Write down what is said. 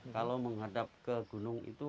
kalau menghadap ke gunung itu